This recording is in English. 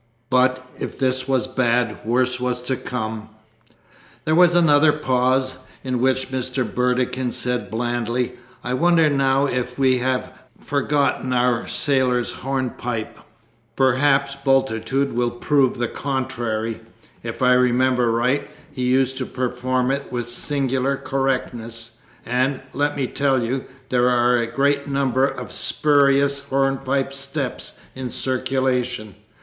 But, if this was bad, worse was to come. There was another pause, in which Mr. Burdekin said blandly, "I wonder now if we have forgotten our sailor's hornpipe. Perhaps Bultitude will prove the contrary. If I remember right, he used to perform it with singular correctness. And, let me tell you, there are a great number of spurious hornpipe steps in circulation.